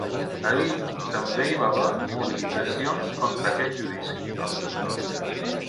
Ahir també hi va haver mobilitzacions contra aquest judici.